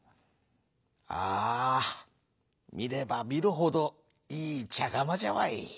「ああみればみるほどいいちゃがまじゃわい。